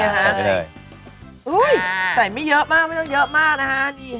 นะคะเสร็จไปเลยอุ้ยใส่ไม่เยอะมากไม่ต้องเยอะมากนะคะนี่ค่ะ